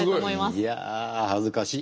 いや恥ずかしい。